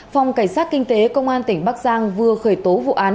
phòng cảnh sát kinh tế công an tỉnh bắc giang vừa khởi tố vụ án